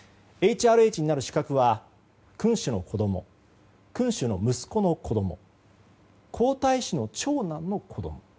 ＨＲＨになる資格は君主の子供君主の息子の子供皇太子の長男の子供。